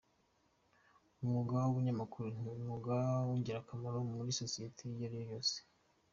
Umwuga w’ubunyamakuru ni umwuga w’ingirakamaro muri sosiyete iyo ariyo yose.